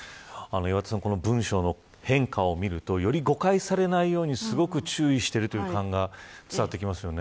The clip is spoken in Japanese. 岩田さん、文章の変化を見るとより誤解されないようにすごく注意しているという感じが伝わってきますよね。